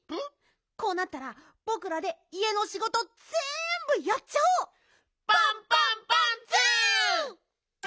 こうなったらぼくらでいえのしごとぜんぶやっちゃおう！パンパンパンツー！